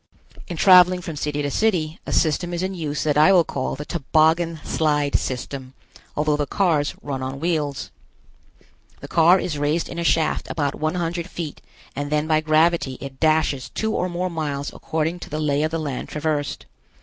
In traveling from city to city, a system is in use that I will call the Toboggan Slide System, although the cars run on wheels. The car is raised in a shaft about one hundred feet and then by gravity it dashes two or more miles according to the lay of the land traversed.